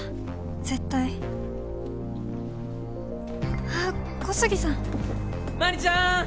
絶対あっ小杉さん麻里ちゃん